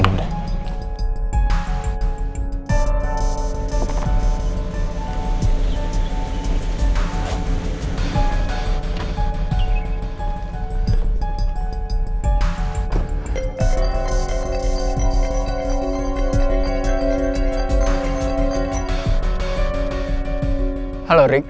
tentang mereka mau dong diindahin